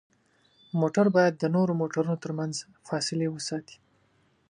موټر باید د نورو موټرونو ترمنځ فاصلې وساتي.